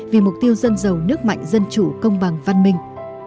vì mục tiêu dân giàu nước mạnh dân chủ công bằng văn minh